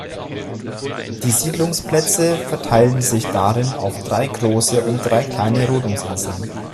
Die Siedlungsplätze verteilen sich darin auf drei große und drei kleine Rodungsinseln.